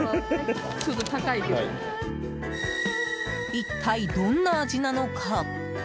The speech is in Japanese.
一体どんな味なのか？